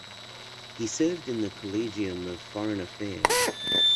He served in the Collegium of Foreign Affairs.